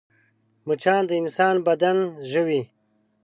مچان د انسان بدن ژوي